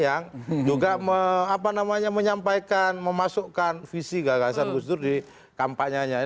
anda juga menyampaikan memasukkan visi gagasan gus dur di kampanye nya